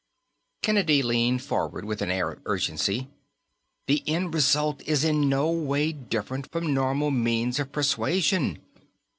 Kennedy leaned forward with an air of urgency. "The end result is in no way different from ordinary means of persuasion.